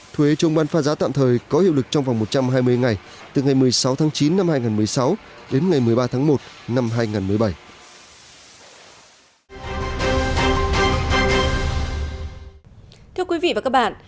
thuế chống bán phá giá tạm thời có hiệu lực trong vòng một trăm hai mươi ngày từ ngày một mươi sáu tháng chín năm hai nghìn một mươi sáu đến ngày một mươi ba tháng một năm hai nghìn một mươi bảy